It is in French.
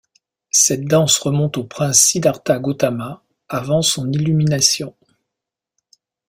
Cette danse remonte au prince Siddhartha Gautama, avant son illumination.